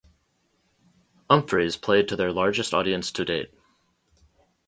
Umphrey's played to their largest audience to date.